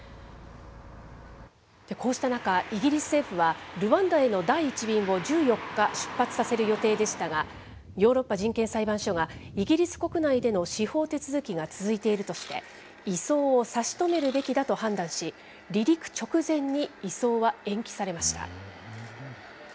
こうした中、イギリス政府は、ルワンダへの第１便を１４日、出発させる予定でしたが、ヨーロッパ人権裁判所が、イギリス国内での司法手続きが続いているとして、移送を差し止めるべきだと判断し、離陸直前に移送は延期されました。